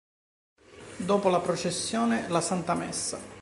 Dopo la processione la santa messa.